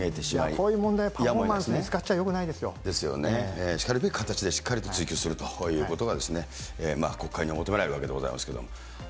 こういう問題はパフォーマンですよね、しかるべき形でしっかりと追及するということが、国会に求められるわけでございますけれども。